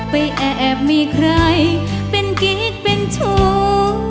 แอบมีใครเป็นกิ๊กเป็นชู้